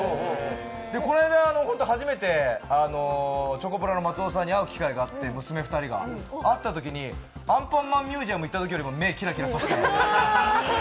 この間、初めてチョコプラの松尾さんに会う機会があって、会ったときにアンパンマンミュージアム行ったときよりも目がキラキラして。